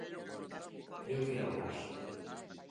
Creo que é o caso.